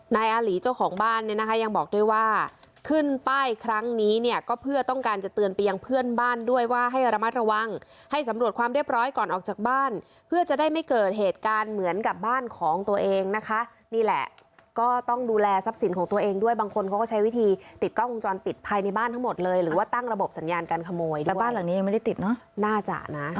นายอาหลีเจ้าของบ้านเนี่ยนะคะยังบอกด้วยว่าขึ้นป้ายครั้งนี้เนี่ยก็เพื่อต้องการจะเตือนไปยังเพื่อนบ้านด้วยว่าให้ระมัดระวังให้สำรวจความเรียบร้อยก่อนออกจากบ้านเพื่อจะได้ไม่เกิดเหตุการณ์เหมือนกับบ้านของตัวเองนะคะนี่แหละก็ต้องดูแลทรัพย์สินของตัวเองด้วยบางคนเขาก็ใช้วิธีติดกล้องจรปิดภายในบ้านทั้